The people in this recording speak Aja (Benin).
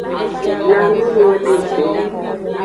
Na nu nyode go.